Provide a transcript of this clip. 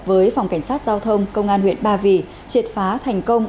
với phòng cảnh sát giao thông công an huyện ba vì triệt phá thành công